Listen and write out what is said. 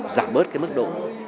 giảm bớt cái mức độ